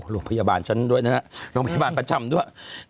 โรงพยาบาลฉันด้วยนะฮะโรงพยาบาลประจำด้วย